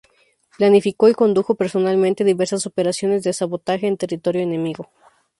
Planificó y condujo personalmente diversas operaciones de sabotaje en territorio enemigo.